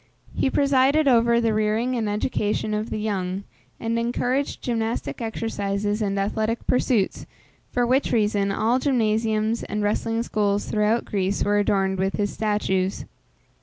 He presided over the rearing and education of the young, and encouraged gymnastic exercises and athletic pursuits, for which reason, all gymnasiums and wrestling schools throughout Greece were adorned with his statues.